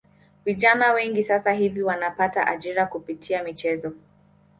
Vijana wengi sasa hivi wanapata ajira kupitia michezo